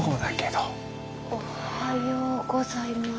おはようございます。